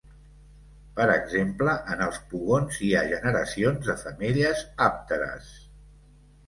Per exemple en els pugons hi ha generacions de femelles àpteres.